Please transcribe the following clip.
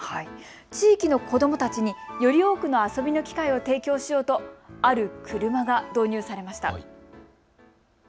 地域の子どもたちにより多くの遊びの機会を提供しようとある車が導入されました。